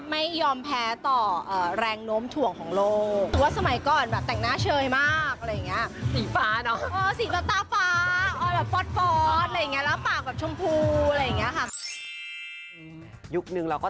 ไม่ยอมแพ้ต่อแรงโน้มถ่วงของโลกแต่ว่าสมัยก่อนแบบแต่งหน้าเชยมากอะไรอย่างนี้